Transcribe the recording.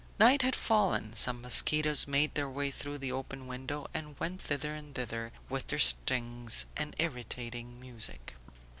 Night had fallen; some mosquitos made their way through the open window and went hither and thither with their stings and irritating music.